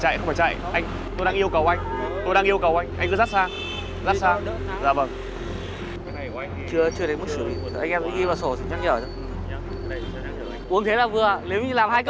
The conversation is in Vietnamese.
chưa chưa đến mức xử lý anh em đi vào sổ thì nhắc nhở cho